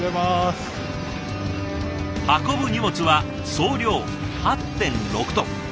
運ぶ荷物は総量８．６トン。